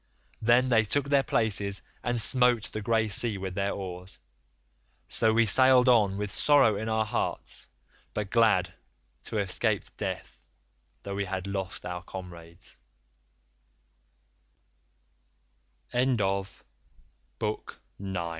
Then they took their places and smote the grey sea with their oars; so we sailed on with sorrow in our hearts, but glad to have escaped death though we had lost our c